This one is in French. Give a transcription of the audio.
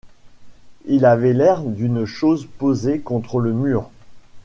Il avait l’air d’une chose posée contre le mur.